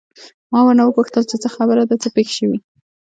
ما ورنه وپوښتل چې څه خبره ده، څه پېښ شوي؟